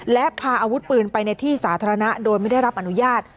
และพาอาวุธปืนไปในที่สาธารณะโดยไม่ได้รับอนุญาต